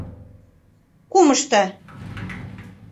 — Кумышто.